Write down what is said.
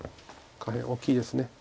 下辺大きいです。